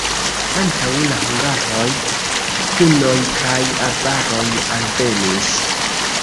Antaŭ la hungaroj hunoj kaj avaroj alvenis.